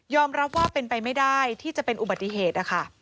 รับว่าเป็นไปไม่ได้ที่จะเป็นอุบัติเหตุนะคะ